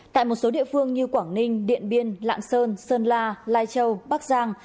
tại một số địa phương như quảng ninh điện biên lạng sơn sơn la lai châu bắc giang